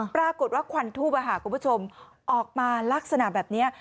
ควันทูบคุณผู้ชมออกมาลักษณะแบบนี้